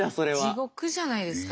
地獄じゃないですか。